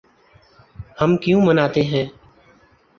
ہم کیوں مناتے ہیں